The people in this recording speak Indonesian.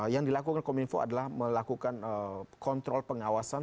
yang dilakukan kominfo adalah melakukan kontrol pengawasan